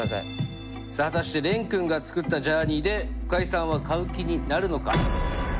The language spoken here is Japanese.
さあ果たして廉君が作ったジャーニーで深井さんは買う気になるのか？